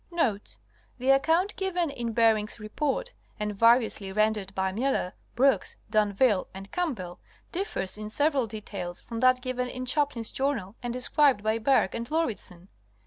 Notes.—The account given in Bering's report, and variously rendered by Miller, Brooks, D'Anville and Campbell, differs in several details from that given in Chaplin's journal and described by Bergh and Lau ridsen.